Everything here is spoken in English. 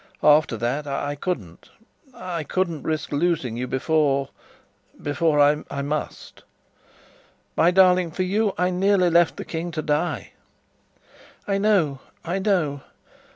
After that, I couldn't I couldn't risk losing you before before I must! My darling, for you I nearly left the King to die!" "I know, I know!